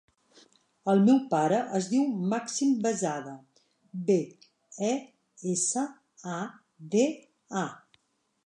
El meu pare es diu Màxim Besada: be, e, essa, a, de, a.